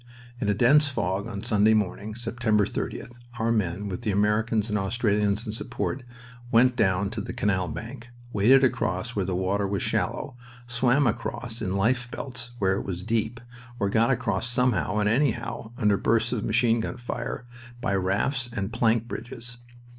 In a dense fog on Sunday morning, September 30th, our men, with the Americans and Australians in support, went down to the canal bank, waded across where the water was shallow, swam across in life belts where it was deep, or got across somehow and anyhow, under blasts of machine gun fire, by rafts and plank bridges.